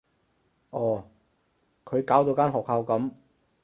哦，佢搞到間學校噉